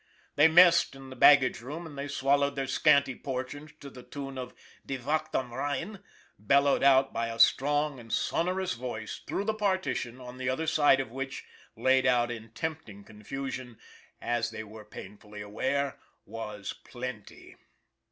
They messed in the baggage room and they swal lowed their scanty portions to the tune of " Die Wacht am Rhein," bellowed out by a strong and sonorous voice, through the partition, on the other side of which, laid out in tempting confusion, as they were painfully aware, was plenty.